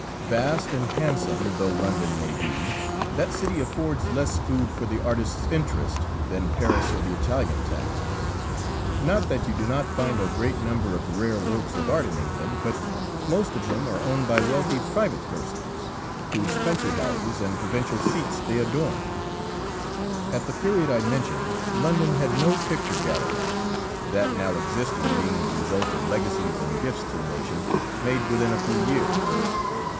Vast and handsome though London may be, that city affords less food for the artist's interest than Paris or the Italian towns. Not that you do not find a great number of rare works of art in England. But most of them are owned by wealthy private persons, whose country houses and provincial seats they adorn. At the period I mention, London had no picture gallery, that now existing being the result of legacies and gifts to the nation made within a few years.